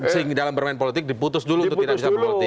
sehingga dalam bermain politik diputus dulu untuk tidak bisa berpolitik